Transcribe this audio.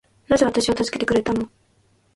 なぜ私を助けてくれたの